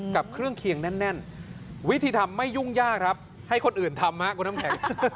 กับเครื่องเคียงแน่นวิธีทำไม่ยุ่งยากครับให้คนอื่นทำครับคุณน้ำแข็ง